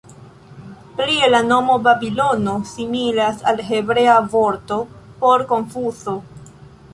Plie la nomo "Babilono" similas al hebrea vorto por "konfuzo".